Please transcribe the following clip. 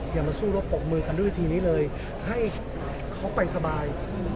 อย่ามาสู้รบปรบมือกันด้วยวิธีนี้เลยให้เขาไปสบาย